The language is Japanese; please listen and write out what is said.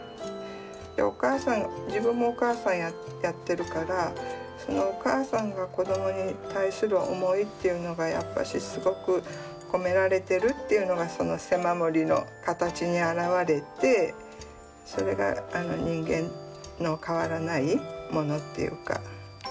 自分もお母さんやってるからそのお母さんが子どもに対する思いっていうのがやっぱしすごく込められてるというのがその背守りの形に表れてそれが人間の変わらないものというか。